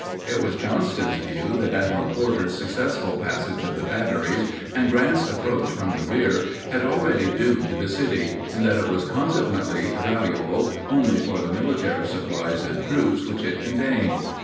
It was Johnston's view that Admiral Porter's successful passage of the batteries and Grant's approach from the rear had already doomed the city, and that it was consequently valuable only for the military supplies and troops which it contained.